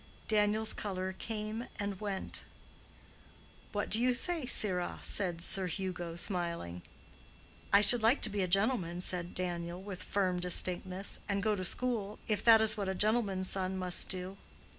Daniel's color came and went. "What do you say, Sirrah?" said Sir Hugo, smiling. "I should like to be a gentleman," said Daniel, with firm distinctness, "and go to school, if that is what a gentleman's son must do."